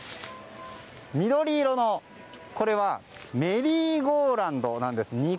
緑色のメリーゴーラウンドなんですね。